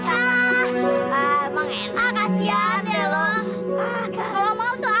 enggak enggak enggak ada apa apa